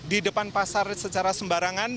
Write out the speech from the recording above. di depan pasar secara sembarangan